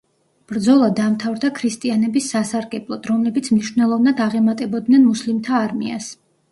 ბრძოლა დამთავრდა ქრისტიანების სასარგებლოდ, რომლებიც მნიშვნელოვნად აღემატებოდნენ მუსლიმთა არმიას.